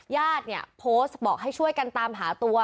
ญาติเนี่ยโพสต์บอกให้ช่วยกันตามหาตัว